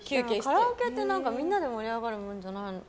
カラオケってみんなで盛り上がるものじゃないの？